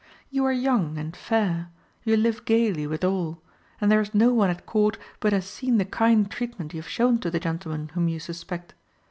You are young and fair; you live gaily with all; and there is no one at Court but has seen the kind treatment you have shown to the gentleman whom you suspect.